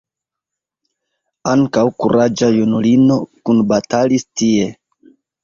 Ankaŭ kuraĝa junulino kunbatalis tie.